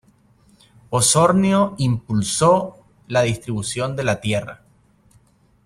Osornio impulsó la distribución de la tierra.